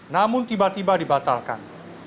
namun tiba tiba dibatalkan